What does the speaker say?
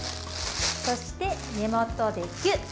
そして、根元でキュッ。